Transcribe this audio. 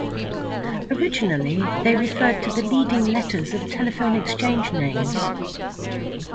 Originally, they referred to the leading letters of telephone exchange names.